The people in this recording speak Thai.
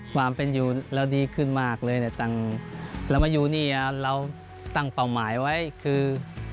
ความเป็นอยู่เราดีขึ้นมากเลยเนี่ยเรามาอยู่นี่เราตั้งเป้าหมายไว้คือ